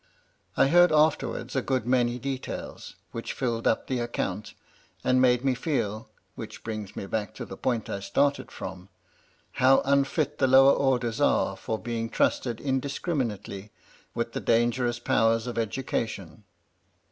I heard afterwards a good many details, which filled up the account, and made me feel — ^which brings me back to the point I started from — how unfit the lower orders are for being trusted in discriminately with the dangerous powers of education.